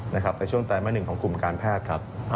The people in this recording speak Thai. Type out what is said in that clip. ในช่วงไตรมาส๑ของกลุ่มการแพทย์ครับ